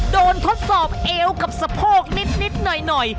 ทดสอบเอวกับสะโพกนิดหน่อย